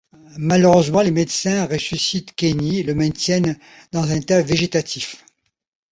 Malheureusement, les médecins ressuscitent Kenny et le maintiennent dans un état végétatif.